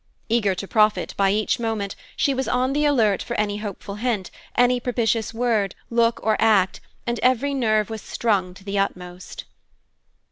Eager to profit by each moment, she was on the alert for any hopeful hint, any propitious word, look, or act, and every nerve was strung to the utmost.